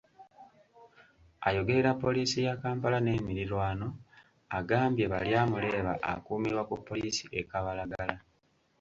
Ayogerera Poliisi ya Kampala n’emirirwano agambye Baryamureeba akuumirwa ku Pollisi e Kabalagala.